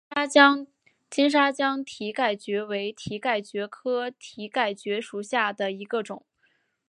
金沙江蹄盖蕨为蹄盖蕨科蹄盖蕨属下的一个种。